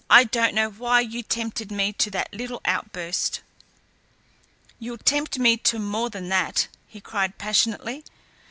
I don't know why you tempted me to that little outburst." "You'll tempt me to more than that," he cried passionately.